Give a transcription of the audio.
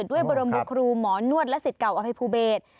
บรมบุครูหมอนวดและสิทธิ์เก่าอภัยภูเบศ